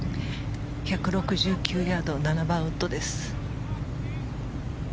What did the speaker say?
１６９ヤード７番ウッドです。